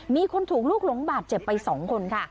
มีคนถูกลูกหลงบาดเจ็บไป๒คนค่ะ